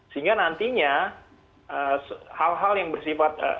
sehingga nantinya hal hal yang bersifat